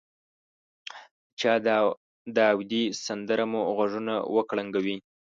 د چا داودي سندره مو غوږونه وکړنګوي.